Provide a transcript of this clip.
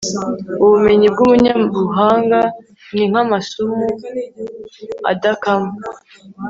ubumenyi bw'umunyabuhanga ni nk'amasumo adakama